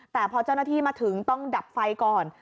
แต่พอเจ้าหน้าที่มาถึงต้องดับไฟก่อน